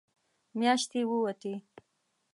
مياشتې ووتې.